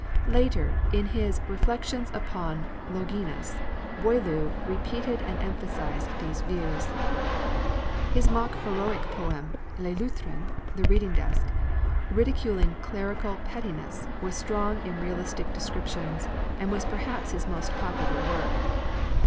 Later, in his 'Reflections upon Longinus,' Boileau repeated and emphasized these views. His mock heroic poem 'Le Lutrin' (The Reading Desk), ridiculing clerical pettinesses, was strong in realistic descriptions, and was perhaps his most popular work.